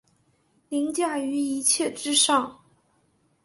凌驾於一切之上